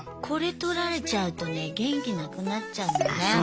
これとられちゃうとね元気なくなっちゃうのよね。